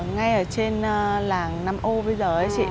ngay ở trên làng năm ô bây giờ ấy chị